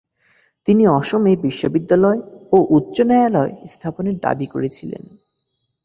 তিনি অসমে বিশ্ববিদ্যালয় ও উচ্চ ন্যায়ালয় স্থাপনের দাবি করেছিলেন।